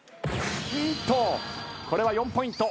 これは４ポイント。